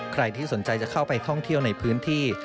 ใครที่สนใจจะเข้าไปท่องเที่ยวในพื้นที่